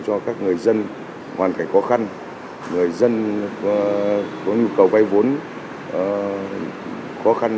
cho các người dân hoàn cảnh khó khăn người dân có nhu cầu vay vốn khó khăn